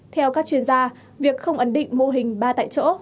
theo các chuyên gia việc không ấn định mô hình ba tại chỗ